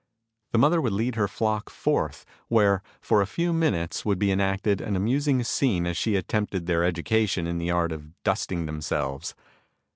The mother would lead her flock forth where for a few minutes would be enacted an amusing scene as she attempted their education in the art of dusting themselves.